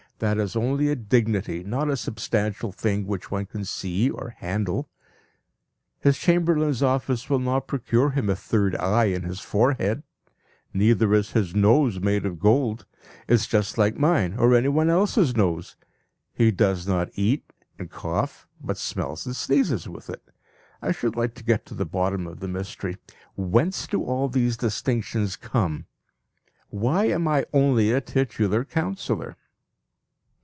That is only a dignity, not a substantial thing which one can see or handle. His chamberlain's office will not procure him a third eye in his forehead. Neither is his nose made of gold; it is just like mine or anyone else's nose. He does not eat and cough, but smells and sneezes with it. I should like to get to the bottom of the mystery whence do all these distinctions come? Why am I only a titular councillor?